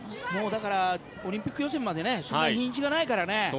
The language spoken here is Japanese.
だからオリンピック予選までそんなに日にちがないからね。